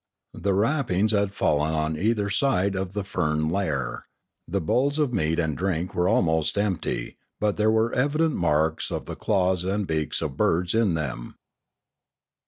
The wrap pings had fallen on either side of the fern lair. The bowls of meat and drink were almost empty; but there were evident marks of the claws and beaks of birds in them.